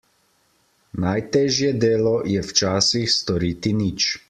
Najtežje delo je včasih storiti nič.